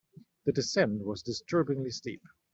The descent was disturbingly steep.